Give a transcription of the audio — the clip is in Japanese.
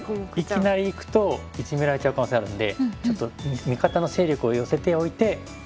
いきなりいくとイジメられちゃう可能性あるんでちょっと味方の勢力を寄せておいて次にいくみたいな。